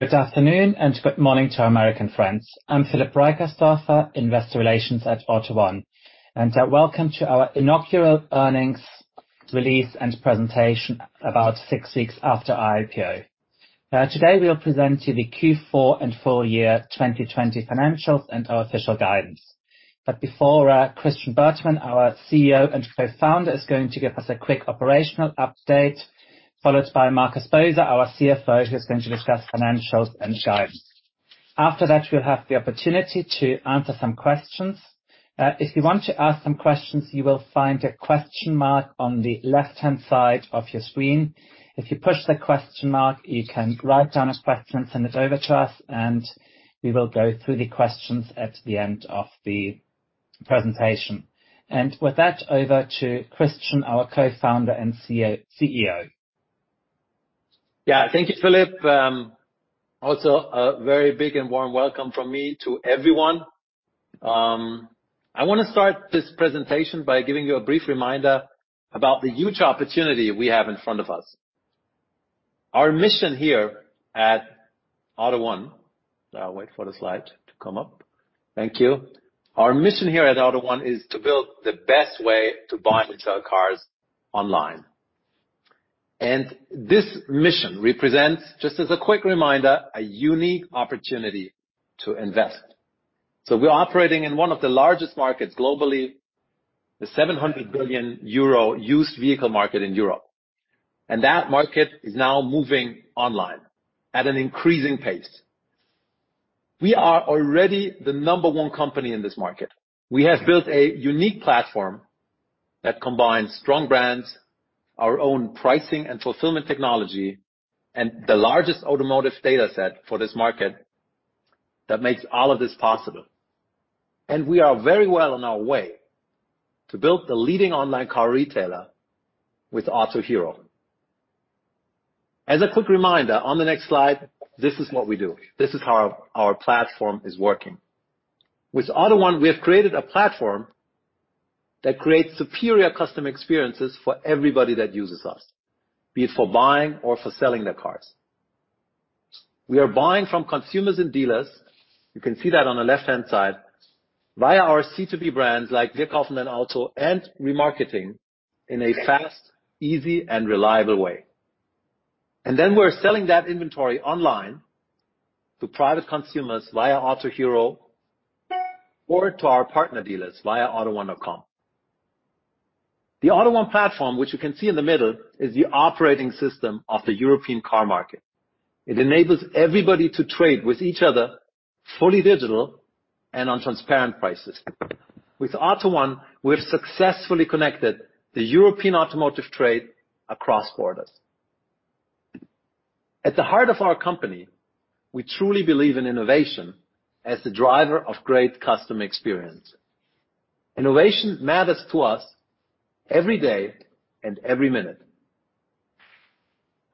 Good afternoon and good morning to our American friends. I'm Philip Reicherstorfer, Investor Relations at AUTO1, and welcome to our inaugural earnings release and presentation about six weeks after IPO. Today we'll present to you the Q4 and full year 2020 financials and our official guidance, but before Christian Bertermann, our CEO and co-founder, is going to give us a quick operational update, followed by Markus Boser, our CFO, who is going to discuss financials and guidance. After that, we'll have the opportunity to answer some questions. If you want to ask some questions, you will find a question mark on the left-hand side of your screen. If you push the question mark, you can write down a question and send it over to us, and we will go through the questions at the end of the presentation, and with that, over to Christian, our co-founder and CEO. Yeah, thank you, Philip. Also, a very big and warm welcome from me to everyone. I want to start this presentation by giving you a brief reminder about the huge opportunity we have in front of us. Our mission here at AUTO1, wait for the slide to come up. Thank you. Our mission here at AUTO1 is to build the best way to buy and sell cars online, and this mission represents, just as a quick reminder, a unique opportunity to invest, so we're operating in one of the largest markets globally, the 700 billion euro used vehicle market in Europe, and that market is now moving online at an increasing pace. We are already the number one company in this market. We have built a unique platform that combines strong brands, our own pricing and fulfillment technology, and the largest automotive data set for this market that makes all of this possible. And we are very well on our way to build the leading online car retailer with Autohero. As a quick reminder, on the next slide, this is what we do. This is how our platform is working. With AUTO1, we have created a platform that creates superior customer experiences for everybody that uses us, be it for buying or for selling their cars. We are buying from consumers and dealers. You can see that on the left-hand side via our C2B brands like wirkaufendeinauto and AUTO1 and remarketing in a fast, easy, and reliable way. And then we're selling that inventory online to private consumers via Autohero or to our partner dealers via AUTO1.com. The AUTO1 platform, which you can see in the middle, is the operating system of the European car market. It enables everybody to trade with each other fully digital and on transparent prices. With AUTO1, we've successfully connected the European automotive trade across borders. At the heart of our company, we truly believe in innovation as the driver of great customer experience. Innovation matters to us every day and every minute.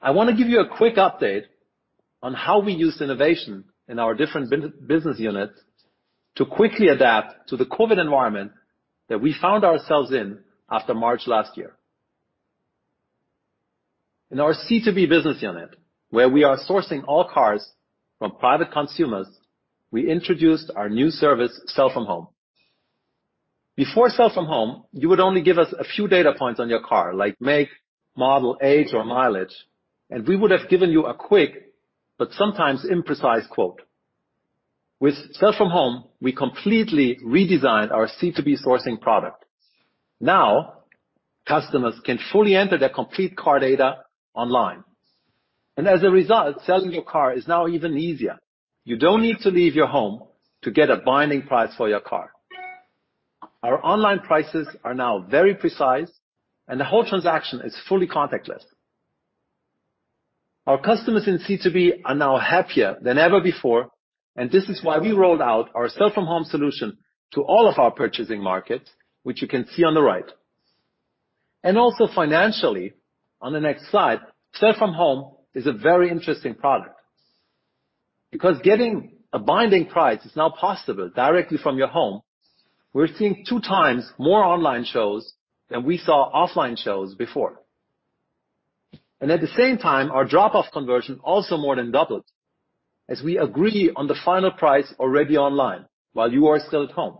I want to give you a quick update on how we use innovation in our different business units to quickly adapt to the COVID environment that we found ourselves in after March last year. In our C2B business unit, where we are sourcing all cars from private consumers, we introduced our new service, Sell From Home. Before Sell From Home, you would only give us a few data points on your car, like make, model, age, or mileage, and we would have given you a quick but sometimes imprecise quote. With Sell From Home, we completely redesigned our C2B sourcing product. Now customers can fully enter their complete car data online. And as a result, selling your car is now even easier. You don't need to leave your home to get a binding price for your car. Our online prices are now very precise, and the whole transaction is fully contactless. Our customers in C2B are now happier than ever before, and this is why we rolled out our Sell From Home solution to all of our purchasing markets, which you can see on the right. And also financially, on the next slide, Sell From Home is a very interesting product. Because getting a binding price is now possible directly from your home, we're seeing two times more online shows than we saw offline shows before. And at the same time, our drop-off conversion also more than doubled as we agree on the final price already online while you are still at home.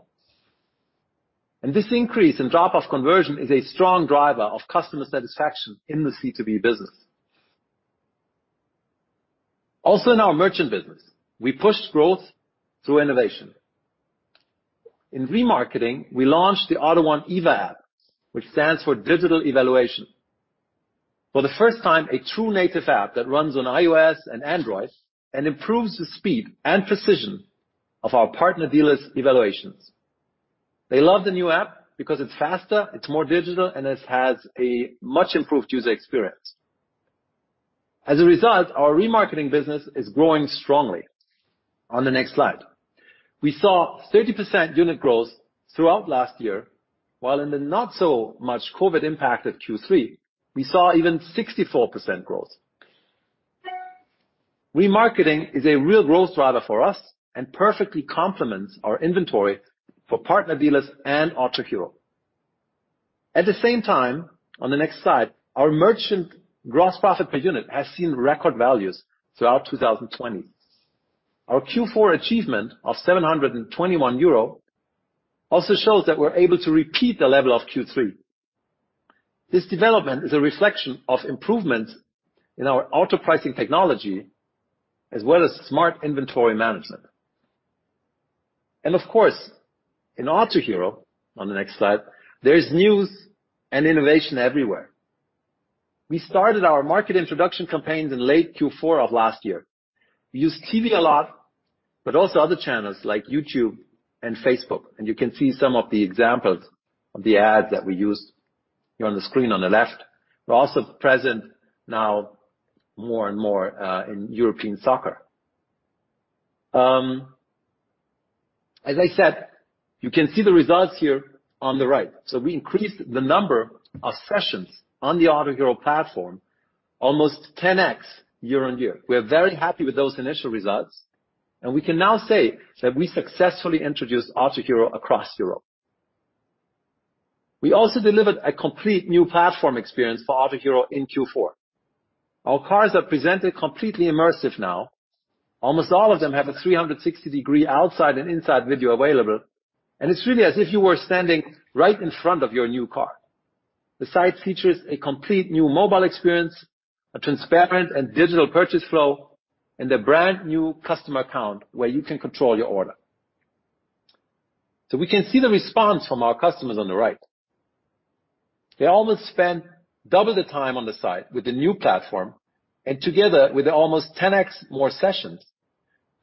And this increase in drop-off conversion is a strong driver of customer satisfaction in the C2B business. Also in our merchant business, we pushed growth through innovation. In remarketing, we launched the AUTO1 EVA app, which stands for Digital Evaluation. For the first time, a true native app that runs on iOS and Android and improves the speed and precision of our partner dealers' evaluations. They love the new app because it's faster, it's more digital, and it has a much improved user experience. As a result, our remarketing business is growing strongly. On the next slide, we saw 30% unit growth throughout last year, while in the not-so-much COVID-impacted Q3, we saw even 64% growth. Remarketing is a real growth driver for us and perfectly complements our inventory for partner dealers and Autohero. At the same time, on the next slide, our merchant gross profit per unit has seen record values throughout 2020. Our Q4 achievement of 721 euro also shows that we're able to repeat the level of Q3. This development is a reflection of improvements in our auto pricing technology as well as smart inventory management, and of course, in Autohero, on the next slide, there's news and innovation everywhere. We started our market introduction campaigns in late Q4 of last year. We used TV a lot, but also other channels like YouTube and Facebook. You can see some of the examples of the ads that we used here on the screen on the left. We're also present now more and more in European soccer. As I said, you can see the results here on the right. We increased the number of sessions on the Autohero platform almost 10x year on year. We're very happy with those initial results, and we can now say that we successfully introduced Autohero across Europe. We also delivered a complete new platform experience for Autohero in Q4. Our cars are presented completely immersive now. Almost all of them have a 360-degree outside and inside video available, and it's really as if you were standing right in front of your new car. The site features a complete new mobile experience, a transparent and digital purchase flow, and a brand new customer account where you can control your order. We can see the response from our customers on the right. They almost spent double the time on the site with the new platform, and together with the almost 10x more sessions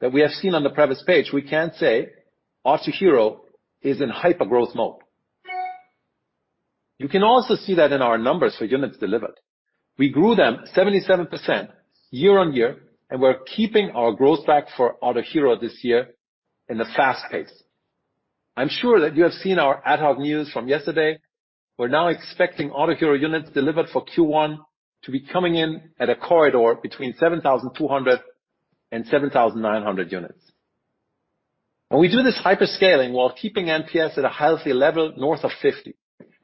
that we have seen on the previous page, we can say Autohero is in hyper-growth mode. You can also see that in our numbers for units delivered. We grew them 77% year on year, and we're keeping our growth track for Autohero this year in a fast pace. I'm sure that you have seen our ad hoc news from yesterday. We're now expecting Autohero units delivered for Q1 to be coming in at a corridor between 7,200 and 7,900 units. We do this hyperscaling while keeping NPS at a healthy level north of 50.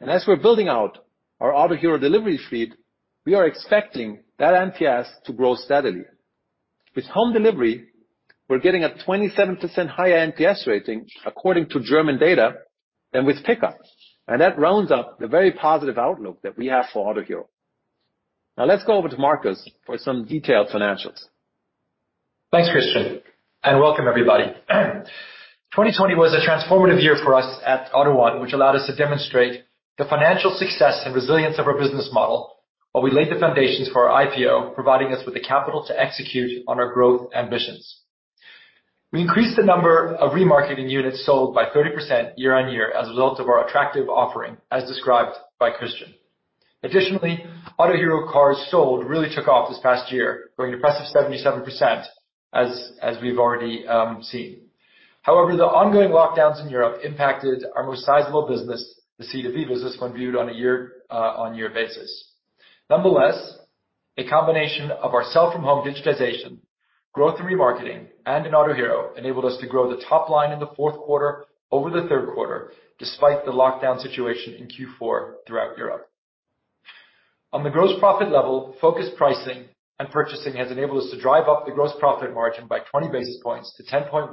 As we're building out our Autohero delivery fleet, we are expecting that NPS to grow steadily. With home delivery, we're getting a 27% higher NPS rating, according to German data, than with pickup. And that rounds up the very positive outlook that we have for Autohero. Now let's go over to Markus for some detailed financials. Thanks, Christian, and welcome, everybody. 2020 was a transformative year for us at AUTO1, which allowed us to demonstrate the financial success and resilience of our business model while we laid the foundations for our IPO, providing us with the capital to execute on our growth ambitions. We increased the number of remarketing units sold by 30% year on year as a result of our attractive offering, as described by Christian. Additionally, Autohero cars sold really took off this past year, going to an impressive 77%, as we've already seen. However, the ongoing lockdowns in Europe impacted our most sizable business, the C2B business, when viewed on a year-on-year basis. Nonetheless, a combination of our Sell From Home digitization, growth in remarketing, and in Autohero enabled us to grow the top line in the fourth quarter over the third quarter, despite the lockdown situation in Q4 throughout Europe. On the gross profit level, focused pricing and purchasing has enabled us to drive up the gross profit margin by 20 basis points to 10.1%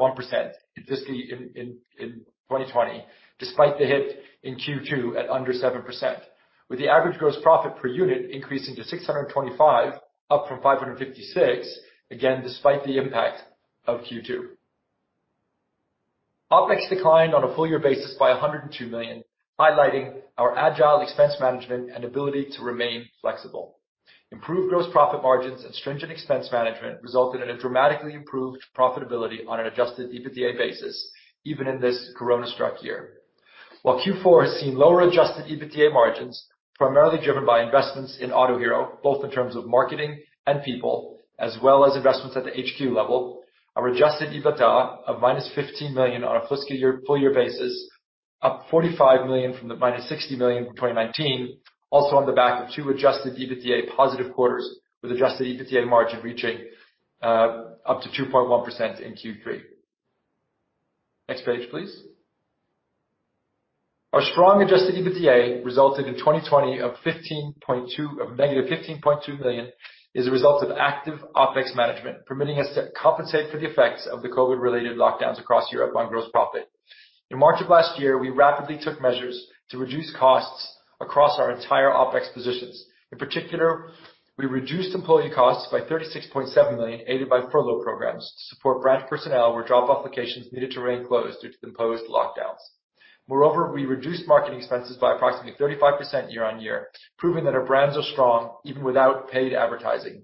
in 2020, despite the hit in Q2 at under 7%, with the average gross profit per unit increasing to 625, up from 556, again, despite the impact of Q2. OpEx declined on a full year basis by 102 million, highlighting our agile expense management and ability to remain flexible. Improved gross profit margins and stringent expense management resulted in a dramatically improved profitability on an adjusted EBITDA basis, even in this corona-struck year. While Q4 has seen lower adjusted EBITDA margins, primarily driven by investments in Autohero, both in terms of marketing and people, as well as investments at the HQ level, our adjusted EBITDA of -15 million on a full year basis, up 45 million from the -60 million in 2019, also on the back of two adjusted EBITDA positive quarters, with adjusted EBITDA margin reaching up to 2.1% in Q3. Next page, please. Our strong adjusted EBITDA resulted in 2020 of -15.2 million as a result of active OpEx management, permitting us to compensate for the effects of the COVID-related lockdowns across Europe on gross profit. In March of last year, we rapidly took measures to reduce costs across our entire OpEx positions. In particular, we reduced employee costs by 36.7 million, aided by furlough programs to support branch personnel where drop-off locations needed to remain closed due to the imposed lockdowns. Moreover, we reduced marketing expenses by approximately 35% year on year, proving that our brands are strong even without paid advertising.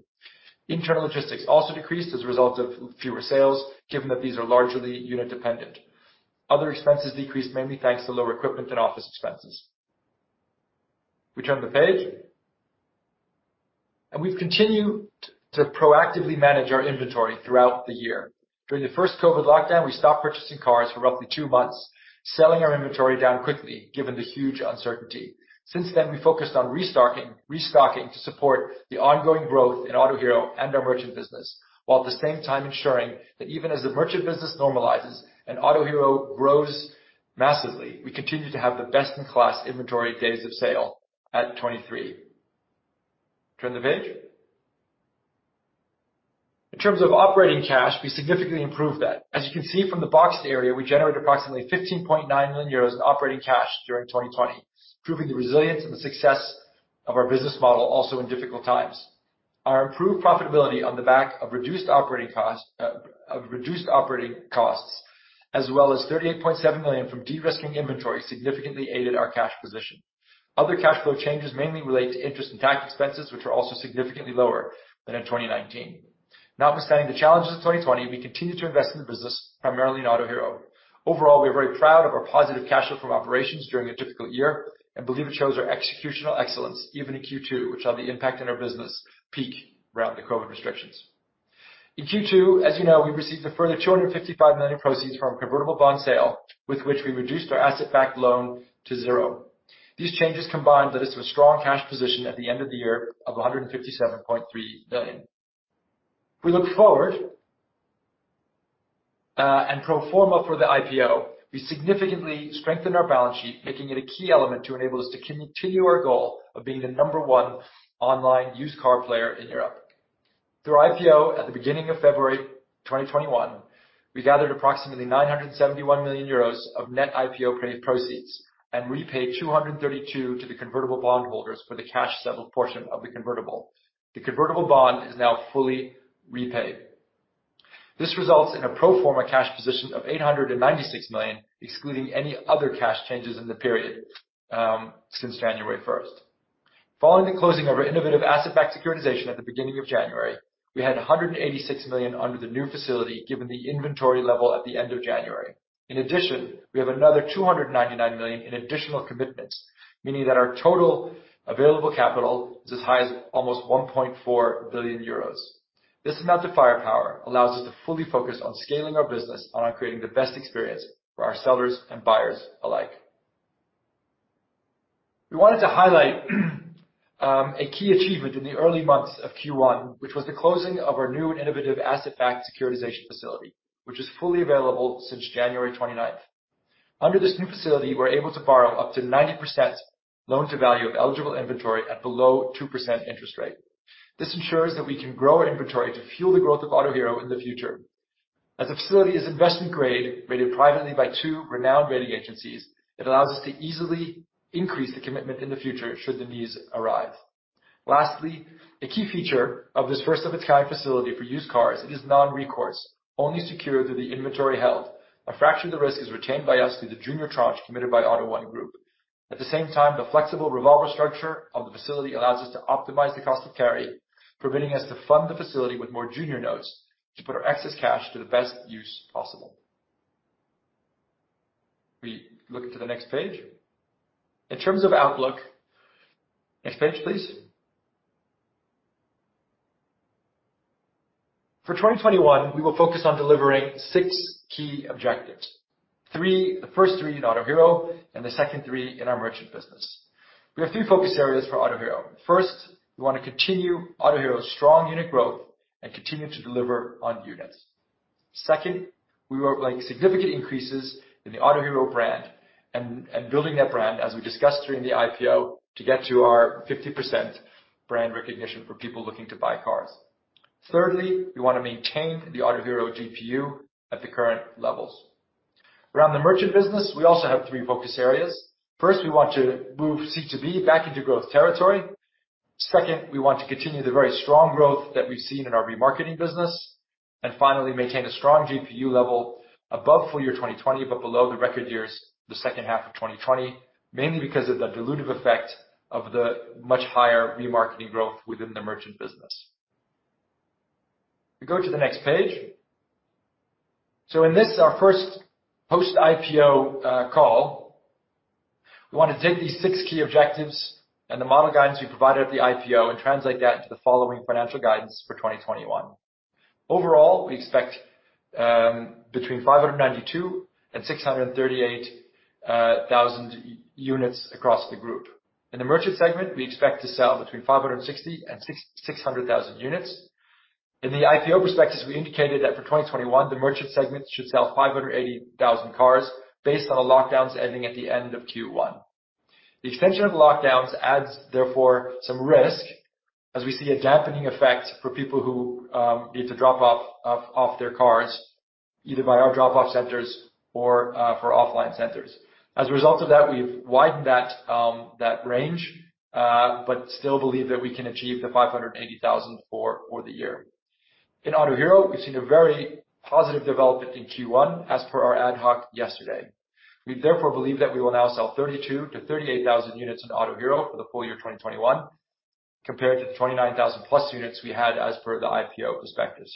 Internal logistics also decreased as a result of fewer sales, given that these are largely unit-dependent. Other expenses decreased mainly thanks to lower equipment and office expenses. We turn the page, and we've continued to proactively manage our inventory throughout the year. During the first COVID lockdown, we stopped purchasing cars for roughly two months, selling our inventory down quickly, given the huge uncertainty. Since then, we focused on restocking to support the ongoing growth in Autohero and our merchant business, while at the same time ensuring that even as the merchant business normalizes and Autohero grows massively, we continue to have the best-in-class inventory days of sale at 23. Turn the page. In terms of operating cash, we significantly improved that. As you can see from the boxed area, we generated approximately 15.9 million euros in operating cash during 2020, proving the resilience and the success of our business model also in difficult times. Our improved profitability on the back of reduced operating costs, as well as 38.7 million from de-risking inventory, significantly aided our cash position. Other cash flow changes mainly relate to interest and tax expenses, which are also significantly lower than in 2019. Notwithstanding the challenges of 2020, we continue to invest in the business, primarily in Autohero. Overall, we are very proud of our positive cash flow from operations during a difficult year and believe it shows our executional excellence even in Q2, which had the impact on our business peak around the COVID restrictions. In Q2, as you know, we received a further 255 million proceeds from convertible bond sale, with which we reduced our asset-backed loan to zero. These changes combined led us to a strong cash position at the end of the year of 157.3 million. If we look forward and pro forma for the IPO, we significantly strengthened our balance sheet, making it a key element to enable us to continue our goal of being the number one online used car player in Europe. Through IPO, at the beginning of February 2021, we gathered approximately 971 million euros of net IPO proceeds and repaid 232 million to the convertible bondholders for the cash-settled portion of the convertible. The convertible bond is now fully repaid. This results in a pro forma cash position of 896 million, excluding any other cash changes in the period since January 1st. Following the closing of our innovative asset-backed securitization at the beginning of January, we had 186 million under the new facility, given the inventory level at the end of January. In addition, we have another 299 million in additional commitments, meaning that our total available capital is as high as almost 1.4 billion euros. This amount of firepower allows us to fully focus on scaling our business and on creating the best experience for our sellers and buyers alike. We wanted to highlight a key achievement in the early months of Q1, which was the closing of our new innovative asset-backed securitization facility, which is fully available since January 29th. Under this new facility, we're able to borrow up to 90% loan-to-value of eligible inventory at below 2% interest rate. This ensures that we can grow our inventory to fuel the growth of Autohero in the future. As the facility is investment-grade, rated privately by two renowned rating agencies, it allows us to easily increase the commitment in the future should the needs arise. Lastly, a key feature of this first-of-its-kind facility for used cars is non-recourse, only secured through the inventory held. A fraction of the risk is retained by us through the junior tranche committed by AUTO1 Group. At the same time, the flexible revolver structure of the facility allows us to optimize the cost of carry, permitting us to fund the facility with more junior notes to put our excess cash to the best use possible. We look to the next page. In terms of outlook, next page, please. For 2021, we will focus on delivering six key objectives: the first three in Autohero and the second three in our merchant business. We have three focus areas for Autohero. First, we want to continue Autohero's strong unit growth and continue to deliver on units. Second, we would like significant increases in the Autohero brand and building that brand, as we discussed during the IPO, to get to our 50% brand recognition for people looking to buy cars. Thirdly, we want to maintain the Autohero GPU at the current levels. Around the merchant business, we also have three focus areas. First, we want to move C2B back into growth territory. Second, we want to continue the very strong growth that we've seen in our remarketing business, and finally, maintain a strong GPU level above full year 2020, but below the record years the second half of 2020, mainly because of the dilutive effect of the much higher remarketing growth within the merchant business. We go to the next page, so in this, our first post-IPO call, we want to take these six key objectives and the model guidance we provided at the IPO and translate that into the following financial guidance for 2021. Overall, we expect between 592,000 and 638,000 units across the group. In the merchant segment, we expect to sell between 560,000 and 600,000 units. In the IPO perspectives, we indicated that for 2021, the merchant segment should sell 580,000 cars based on the lockdowns ending at the end of Q1. The extension of the lockdowns adds, therefore, some risk, as we see a dampening effect for people who need to drop off their cars, either by our drop-off centers or for offline centers. As a result of that, we've widened that range, but still believe that we can achieve the 580,000 for the year. In Autohero, we've seen a very positive development in Q1 as per our ad hoc yesterday. We therefore believe that we will now sell 32,000-38,000 units in Autohero for the full year 2021, compared to the 29,000-plus units we had as per the IPO perspectives.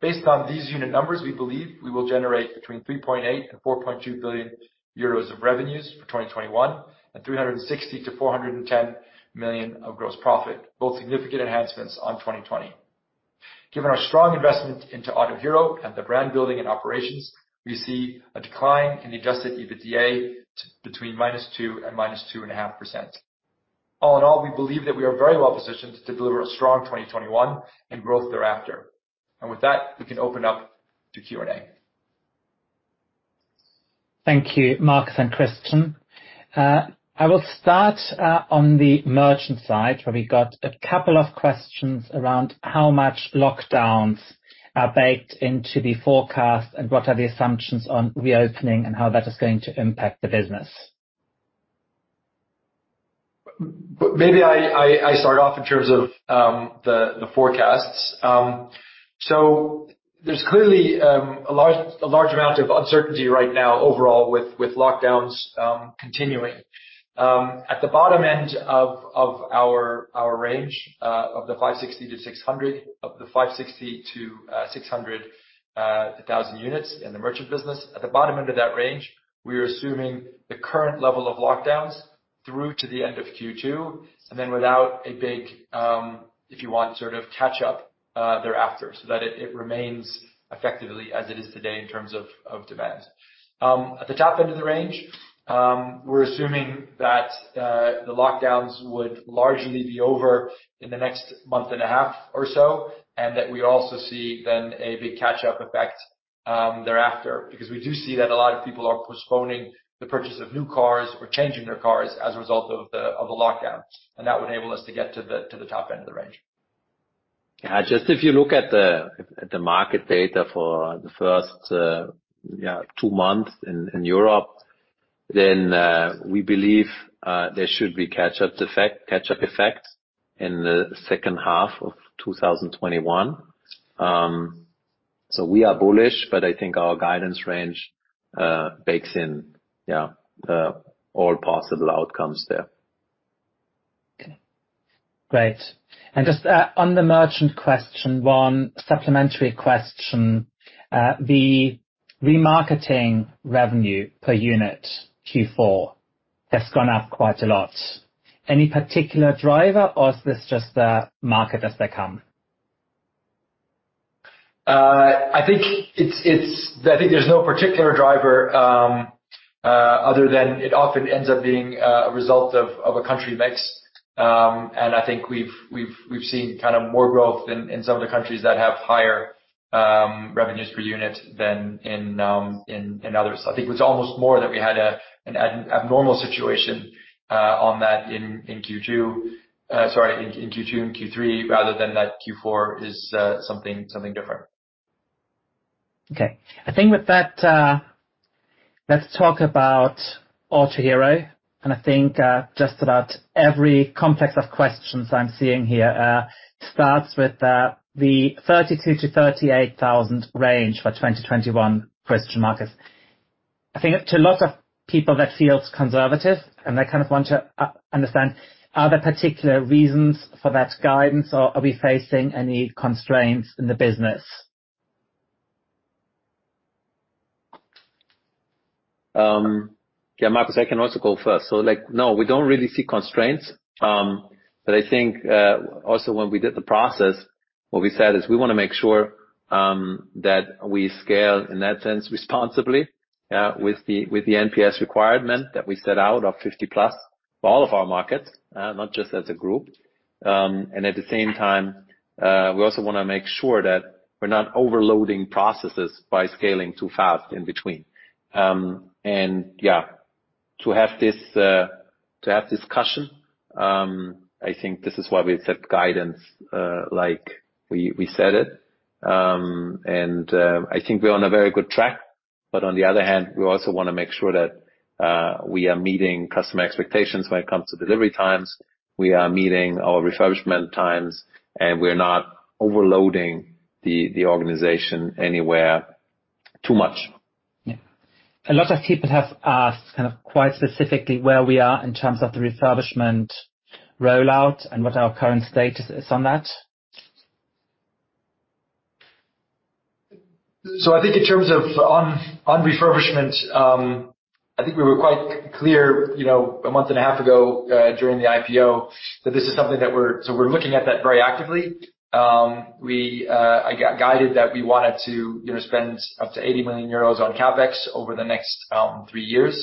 Based on these unit numbers, we believe we will generate between 3.8 billion and 4.2 billion euros of revenues for 2021 and 360 million to 410 million of gross profit, both significant enhancements on 2020. Given our strong investment into Autohero and the brand building and operations, we see a decline in the Adjusted EBITDA between -2% and -2.5%. All in all, we believe that we are very well positioned to deliver a strong 2021 and growth thereafter, and with that, we can open up to Q&A. Thank you, Markus and Christian. I will start on the merchant side, where we got a couple of questions around how much lockdowns are baked into the forecast and what are the assumptions on reopening and how that is going to impact the business. Maybe I start off in terms of the forecasts. So there's clearly a large amount of uncertainty right now overall with lockdowns continuing. At the bottom end of our range, of the 560,000-600,000 units in the merchant business, at the bottom end of that range, we are assuming the current level of lockdowns through to the end of Q2 and then without a big, if you want, sort of catch-up thereafter so that it remains effectively as it is today in terms of demand. At the top end of the range, we're assuming that the lockdowns would largely be over in the next month and a half or so and that we also see then a big catch-up effect thereafter because we do see that a lot of people are postponing the purchase of new cars or changing their cars as a result of the lockdown, and that would enable us to get to the top end of the range. Yeah, just if you look at the market data for the first two months in Europe, then we believe there should be a catch-up effect in the second half of 2021. So we are bullish, but I think our guidance range bakes in all possible outcomes there. Okay. Great, and just on the Merchant question, one supplementary question. The Remarketing revenue per unit Q4 has gone up quite a lot. Any particular driver, or is this just the market as they come? I think there's no particular driver other than it often ends up being a result of a country mix. And I think we've seen kind of more growth in some of the countries that have higher revenues per unit than in others. I think it was almost more that we had an abnormal situation on that in Q2, sorry, in Q2 and Q3 rather than that Q4 is something different. Okay. I think with that, let's talk about Autohero. And I think just about every complex of questions I'm seeing here starts with the 32-38,000 range for 2021, Christian, Markus. I think to a lot of people, that feels conservative, and they kind of want to understand, are there particular reasons for that guidance, or are we facing any constraints in the business? Yeah, Markus, I can also go first. So no, we don't really see constraints. But I think also when we did the process, what we said is we want to make sure that we scale in that sense responsibly with the NPS requirement that we set out of 50+ for all of our markets, not just as a group. And at the same time, we also want to make sure that we're not overloading processes by scaling too fast in between. And yeah, to have discussion, I think this is why we accept guidance like we said it. And I think we're on a very good track. But on the other hand, we also want to make sure that we are meeting customer expectations when it comes to delivery times, we are meeting our refurbishment times, and we're not overloading the organization anywhere too much. Yeah. A lot of people have asked kind of quite specifically where we are in terms of the refurbishment rollout and what our current status is on that. I think in terms of on refurbishment, I think we were quite clear a month and a half ago during the IPO that this is something that we're so we're looking at that very actively. We are guided that we wanted to spend up to 80 million euros on CapEx over the next three years.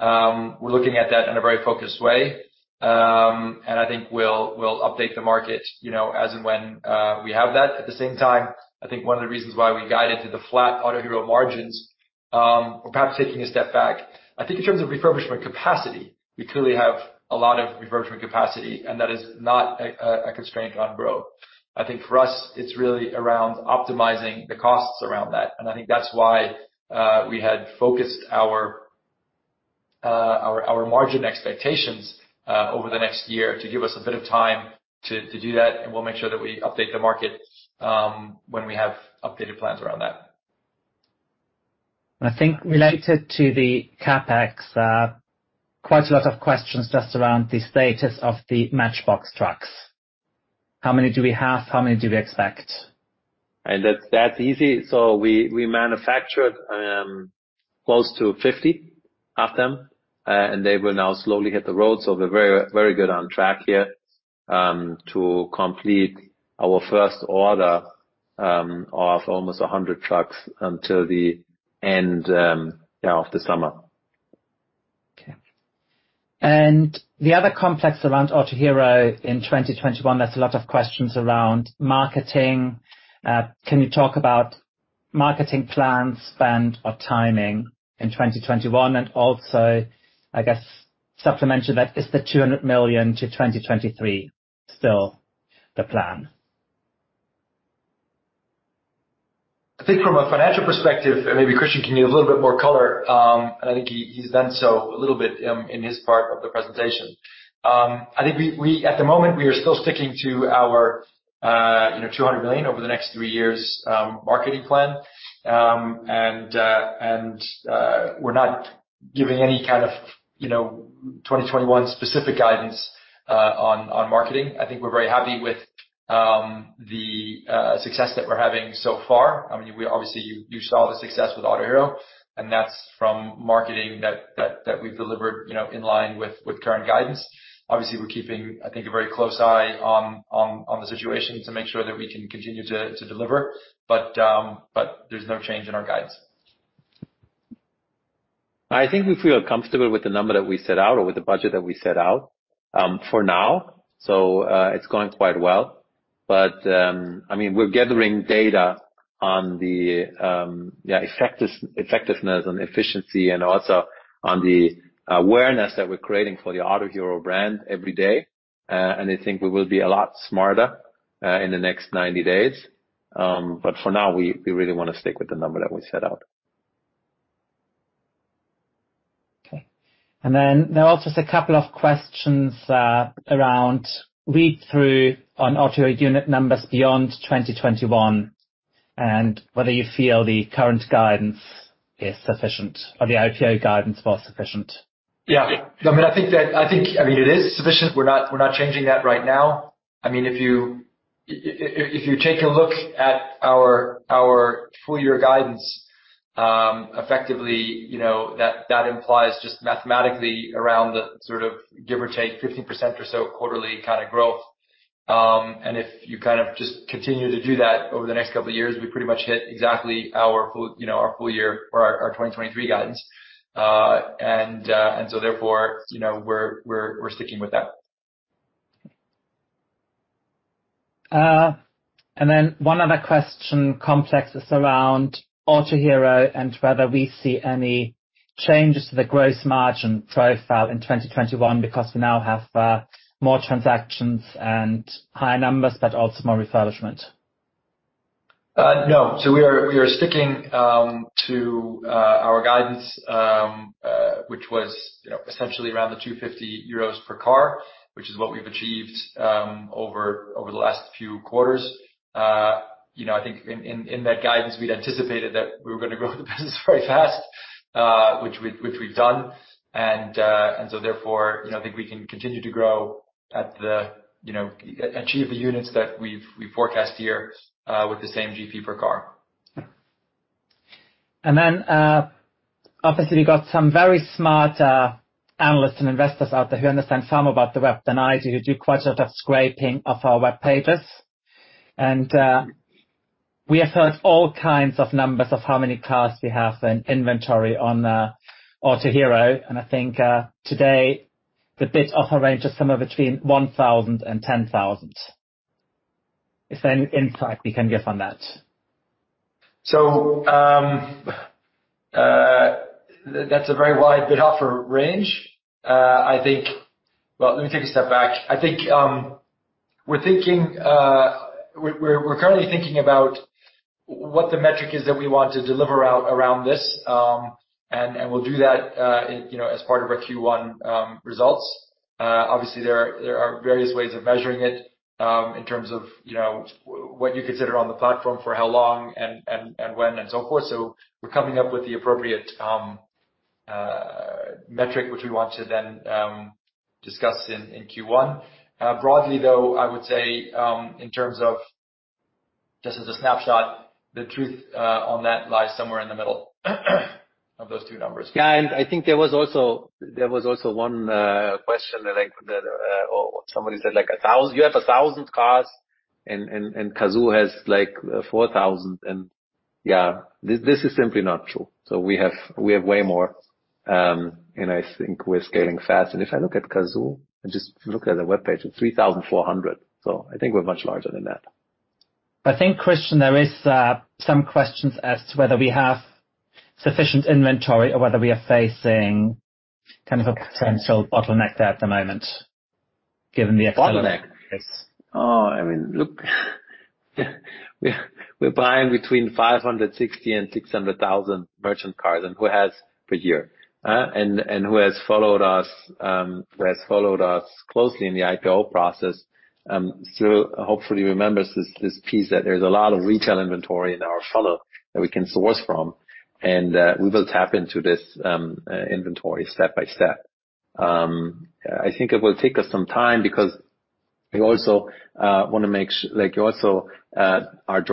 We're looking at that in a very focused way. I think we'll update the market as and when we have that. At the same time, I think one of the reasons why we guided to the flat Autohero margins or perhaps taking a step back, I think in terms of refurbishment capacity, we clearly have a lot of refurbishment capacity, and that is not a constraint on growth. I think for us, it's really around optimizing the costs around that. I think that's why we had focused our margin expectations over the next year to give us a bit of time to do that. We'll make sure that we update the market when we have updated plans around that. I think related to the CapEx, quite a lot of questions just around the status of the matchbox trucks. How many do we have? How many do we expect? That's easy. We manufactured close to 50 of them, and they will now slowly hit the road. We're very good on track here to complete our first order of almost 100 trucks until the end of the summer. Okay. And the other complex around Autohero in 2021, there's a lot of questions around marketing. Can you talk about marketing plans, spend, or timing in 2021? And also, I guess supplement to that, is the 200 million to 2023 still the plan? I think from a financial perspective, and maybe Christian can give a little bit more color, and I think he's done so a little bit in his part of the presentation. I think at the moment, we are still sticking to our 200 million over the next three years marketing plan, and we're not giving any kind of 2021 specific guidance on marketing. I think we're very happy with the success that we're having so far. I mean, obviously, you saw the success with Autohero, and that's from marketing that we've delivered in line with current guidance. Obviously, we're keeping, I think, a very close eye on the situation to make sure that we can continue to deliver, but there's no change in our guidance. I think we feel comfortable with the number that we set out or with the budget that we set out for now, so it's going quite well, but I mean, we're gathering data on the effectiveness and efficiency and also on the awareness that we're creating for the Autohero brand every day, and I think we will be a lot smarter in the next 90 days, but for now, we really want to stick with the number that we set out. Okay. And then there are also a couple of questions around read-through on Autohero unit numbers beyond 2021 and whether you feel the current guidance is sufficient or the IPO guidance was sufficient. Yeah. I mean, I think, I mean, it is sufficient. We're not changing that right now. I mean, if you take a look at our full year guidance, effectively, that implies just mathematically around the sort of give or take 50% or so quarterly kind of growth. And if you kind of just continue to do that over the next couple of years, we pretty much hit exactly our full year or our 2023 guidance. And so therefore, we're sticking with that. Okay, and then one other question complex is around Autohero and whether we see any changes to the gross margin profile in 2021 because we now have more transactions and higher numbers, but also more refurbishment. No. So we are sticking to our guidance, which was essentially around the 250 euros per car, which is what we've achieved over the last few quarters. I think in that guidance, we'd anticipated that we were going to grow the business very fast, which we've done. And so therefore, I think we can continue to grow at the achieve the units that we forecast here with the same GP per car. Yeah. And then obviously, we got some very smart analysts and investors out there who understand more about the web than I do, who do quite a lot of scraping of our web pages. And we have heard all kinds of numbers of how many cars we have in inventory on Autohero. And I think today, the bid offer range is somewhere between 1,000 and 10,000. Is there any insight we can give on that? So that's a very wide bid offer range. I think, well, let me take a step back. I think we're currently thinking about what the metric is that we want to deliver out around this. And we'll do that as part of our Q1 results. Obviously, there are various ways of measuring it in terms of what you consider on the platform for how long and when and so forth. So we're coming up with the appropriate metric, which we want to then discuss in Q1. Broadly, though, I would say in terms of just as a snapshot, the truth on that lies somewhere in the middle of those two numbers. Yeah, and I think there was also one question that somebody said, like, you have 1,000 cars and Cazoo has like 4,000. Yeah, this is simply not true, so we have way more, and I think we're scaling fast. If I look at Cazoo, I just looked at the web page; it's 3,400, so I think we're much larger than that. I think, Christian, there are some questions as to whether we have sufficient inventory or whether we are facing kind of a potential bottleneck there at the moment given the external markets. Bottleneck. Oh, I mean, look, we're buying between 560,000 and 600,000 merchant cars per year, and who has per year, and who has followed us, who has followed us closely in the IPO process, still hopefully remembers this piece that there's a lot of retail inventory in our funnel that we can source from, and we will tap into this inventory step by step. I think it will take us some time because we also want to make sure like you also are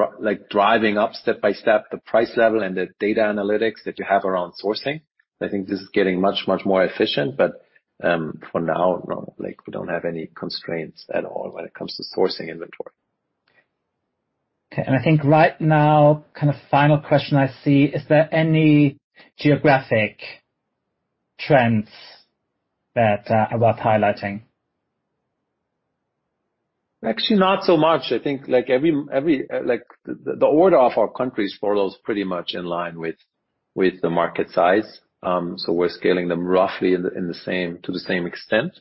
driving up step by step the price level and the data analytics that you have around sourcing. I think this is getting much, much more efficient, but for now, we don't have any constraints at all when it comes to sourcing inventory. Okay. And I think right now, kind of final question I see, is there any geographic trends that are worth highlighting? Actually, not so much. I think the order of our countries follows pretty much in line with the market size. So we're scaling them roughly to the same extent.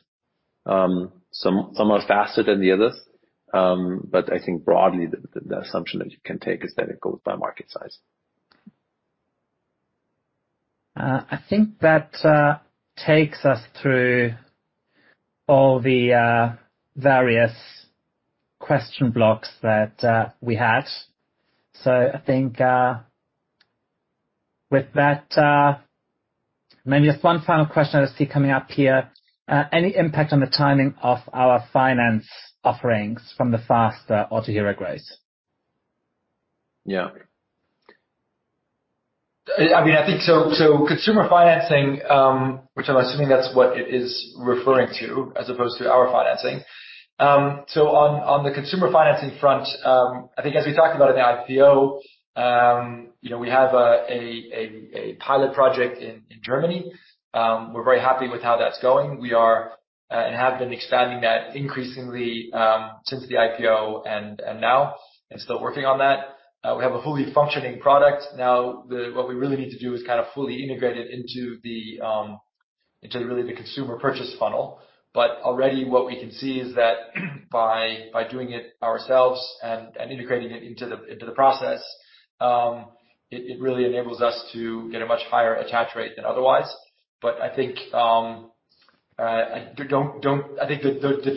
Some are faster than the others. But I think broadly, the assumption that you can take is that it goes by market size. I think that takes us through all the various question blocks that we had. So I think with that, maybe just one final question I see coming up here. Any impact on the timing of our finance offerings from the faster Autohero growth? Yeah. I mean, I think it's consumer financing, which I'm assuming that's what it is referring to as opposed to our financing. So on the consumer financing front, I think as we talked about in the IPO, we have a pilot project in Germany. We're very happy with how that's going. We are and have been expanding that increasingly since the IPO and now and still working on that. We have a fully functioning product. Now, what we really need to do is kind of fully integrate it into really the consumer purchase funnel. But already, what we can see is that by doing it ourselves and integrating it into the process, it really enables us to get a much higher attach rate than otherwise. But I think the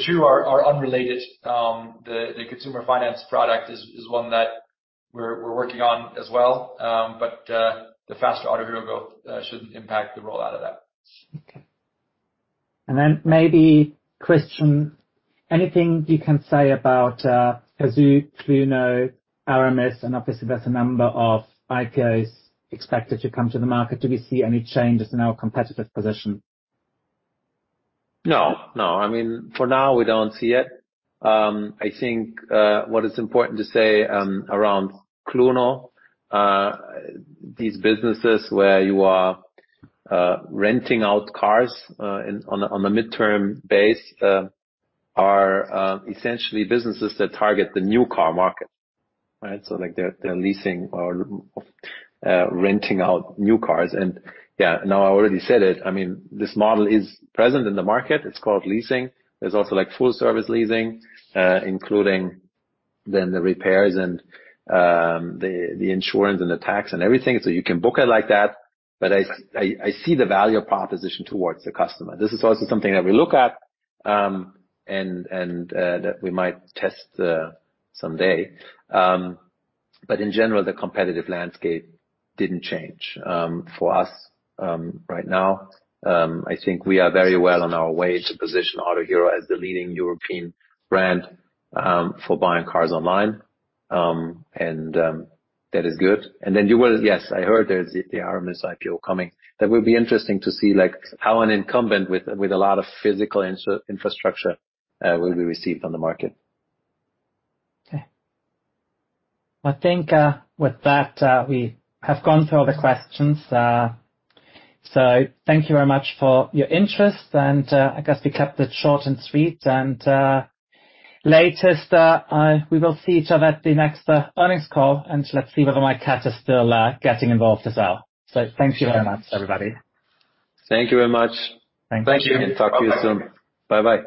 two are unrelated. The consumer finance product is one that we're working on as well. But the faster Autohero growth shouldn't impact the rollout of that. Okay, and then maybe, Christian, anything you can say about Cazoo, Cluno, Aramis Group, and obviously, there's a number of IPOs expected to come to the market. Do we see any changes in our competitive position? No. No. I mean, for now, we don't see it. I think what is important to say around Cluno, these businesses where you are renting out cars on a midterm basis are essentially businesses that target the new car market, right? So they're leasing or renting out new cars. And yeah, now I already said it. I mean, this model is present in the market. It's called leasing. There's also full service leasing, including then the repairs and the insurance and the tax and everything. So you can book it like that. But I see the value proposition towards the customer. This is also something that we look at and that we might test someday. But in general, the competitive landscape didn't change for us right now. I think we are very well on our way to position Autohero as the leading European brand for buying cars online. And that is good. And then you will, yes, I heard there's the Aramis IPO coming. That will be interesting to see how an incumbent with a lot of physical infrastructure will be received on the market. Okay, well, I think with that, we have gone through all the questions, so thank you very much for your interest, and I guess we kept it short and sweet, and lastly, we will see each other at the next earnings call, and let's see whether my cat is still getting involved as well, so thank you very much, everybody. Thank you very much. Thank you. Thank you. Talk to you soon. Bye-bye.